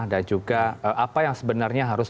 dan juga apa yang sebenarnya harus